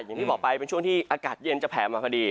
อย่างที่บอกไปเป็นช่วงที่อากาศเย็นจะแผลมาพอดี